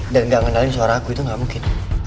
dan nggak ngenalin suara aku itu nggak mungkin